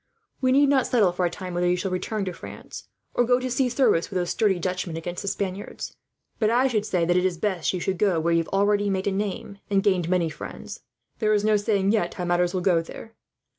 We need not settle, for a time, whether you shall return to France, or go to see service with those sturdy Dutchmen against the Spaniards. But I should say that it is best you should go where you have already made a name, and gained many friends. "There is no saying, yet, how matters will go there.